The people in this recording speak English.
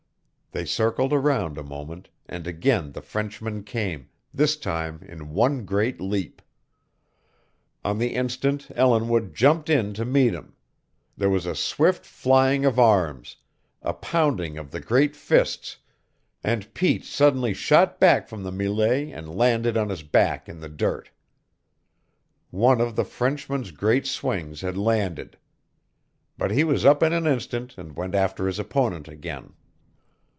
They circled around a moment and again the Frenchman came, this time in one great leap. On the instant Ellinwood jumped in to meet him. There was a swift flying of arms, a pounding of the great fists, and Pete suddenly shot back from the mêlée and landed on his back in the dirt. One of the Frenchman's great swings had landed. But he was up in an instant and went after his opponent again.